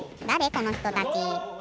このひとたち。